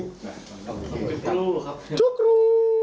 จุ๊กรูครับจุ๊กรู